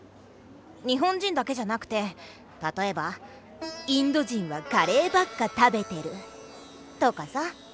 日本人だけじゃなくてたとえばインド人はカレーばっか食べてるとかさ。